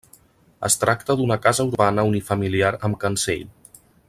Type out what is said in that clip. Es tracta d'una casa urbana unifamiliar amb cancell.